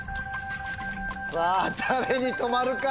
さぁ誰に止まるか？